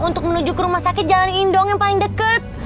untuk menuju ke rumah sakit jalanin dong yang paling deket